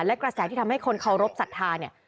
และกระแสที่ทำให้คนเคารพสัทธาเนี่ย